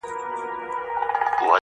تر کومه وخته چې زمونږ ارادې